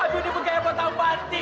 abis udah pengemot apaan ti